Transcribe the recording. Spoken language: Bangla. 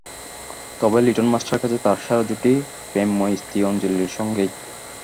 তবে লিটল মাস্টারের কাছে তাঁর সেরা জুটি প্রেমময় স্ত্রী অঞ্জলির সঙ্গেই।